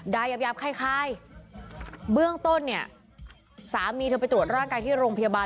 ไดร์ยาบค่ายเบื้องต้นสามีแสงไปตรวจร่างกายที่โรงพยาบาล